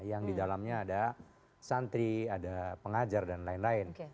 yang di dalamnya ada santri ada pengajar dan lain lain